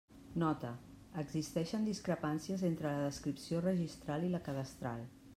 Nota: existeixen discrepàncies entre la descripció registral i la cadastral.